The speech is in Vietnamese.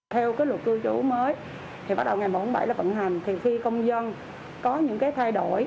theo cái luật cư trú mới thì bắt đầu ngày một trăm bốn mươi bảy là vận hành thì khi công dân có những cái thay đổi